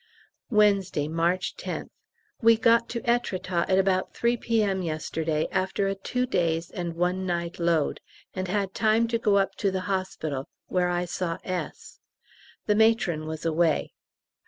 Wednesday, March 10th. We got to Êtretat at about 3 P.M. yesterday after a two days' and one night load, and had time to go up to the hospital, where I saw S. The Matron was away.